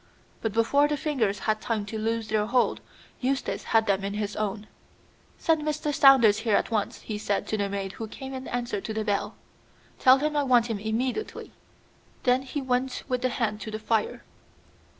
But before the fingers had time to loose their hold, Eustace had them in his own. "Send Mr. Saunders here at once," he said to the maid who came in answer to the bell. "Tell him I want him immediately." Then he went with the hand to the fire.